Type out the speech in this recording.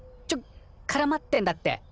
ちょっからまってんだって。